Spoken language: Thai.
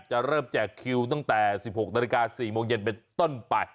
เริ่มแจกคิวตั้งแต่๑๖นาฬิกา๔โมงเย็นเป็นต้นไป